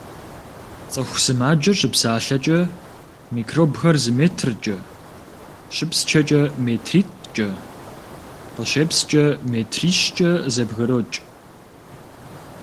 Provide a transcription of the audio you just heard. ЦӀыху сымаджэр щыпсалъэкӀэ микробхэр зы метркӀэ, щыпсчэкӀэ метритӏкӀэ, къыщепскӀэ метрищкӀэ зэбгрокӀ.